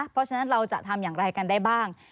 เพราะฉะนั้นเราจะทำอย่างไรกันได้บ้าง